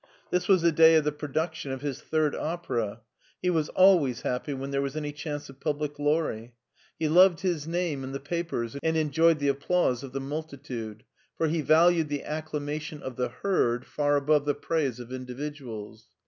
This was the day of the production of his third opera. He was always happy when there was any chance of public glory. H§ Igyed his name in the 224 MARTIN SCHULER papers, and enjoyed the applause of the multitude, for he valued the acclamation of the herd far above the praise of individuals.